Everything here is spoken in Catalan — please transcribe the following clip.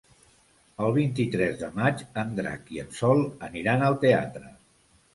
El vint-i-tres de maig en Drac i en Sol aniran al teatre.